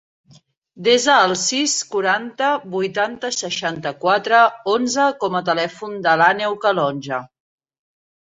Desa el sis, quaranta, vuitanta, seixanta-quatre, onze com a telèfon de l'Àneu Calonge.